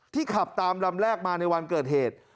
ขับตามลำแรกมาในวันเกิดเหตุ